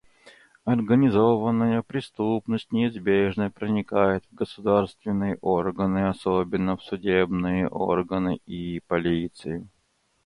Организованная преступность неизбежно проникает в государственные органы, особенно в судебные органы и полицию.